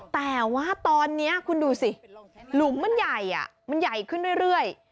แต่ว่าตอนนี้คุณดูสิหลุมมันใหญ่มันใหญ่ขึ้นเรื่อย